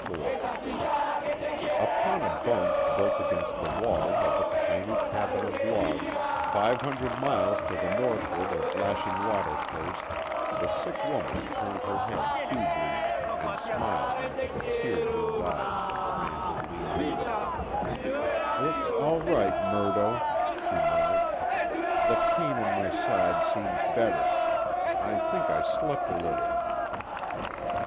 IV Upon a bunk built against the wall of a tiny cabin of logs five hundred miles to the northward of Lashing Water post the sick woman turned her head feebly and smiled into the tear dimmed eyes of the man who leaned over her: "It's all right, Murdo," she murmured, "The pain in my side seems better. I think I slept a little."